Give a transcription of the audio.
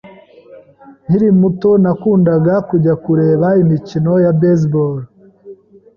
Nkiri muto, nakundaga kujya kureba imikino ya baseball.